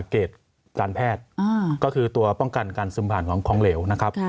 เกตการแพทย์ก็คือตัวป้องกันการซึมผ่านของเหลวนะครับ